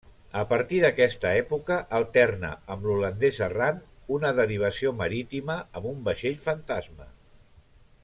A partir d'aquesta època alterna amb l'holandès errant, una derivació marítima amb un vaixell fantasma.